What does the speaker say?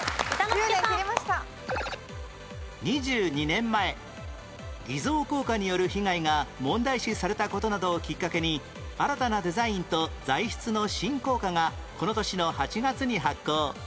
２２年前偽造硬貨による被害が問題視された事などをきっかけに新たなデザインと材質の新硬貨がこの年の８月に発行